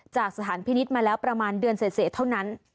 จากสถานพินิษฐ์มาแล้วประมาณเดือนเสร็จเท่านั้น